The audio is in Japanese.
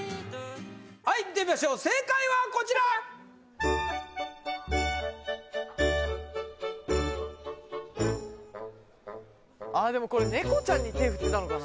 はい見てみましょう正解はこちらでもこれねこちゃんに手振ってたのかな